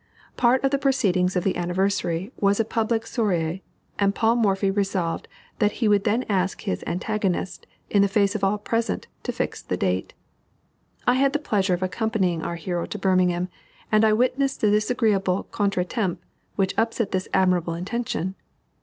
Part of the proceedings of the anniversary was a public soirée, and Paul Morphy resolved that he would then ask his antagonist, in the face of all present, to fix the date. I had the pleasure of accompanying our hero to Birmingham, and I witnessed the disagreeable contre temps which upset this admirable intention.